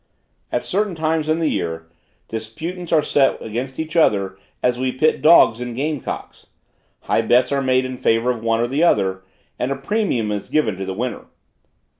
At certain times in the year, disputants are set against each other, as we pit dogs and game cocks. High bets are made in favor of one or the other, and a premium is given to the winner.